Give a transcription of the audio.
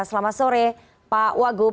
selamat sore pak wagub